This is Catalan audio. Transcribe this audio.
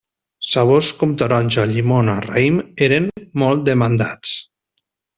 Sabors com taronja, llimona, raïm eren molt demandats.